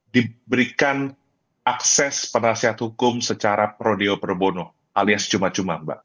diberikan akses penasihat hukum secara prodeo probono alias cuma cuma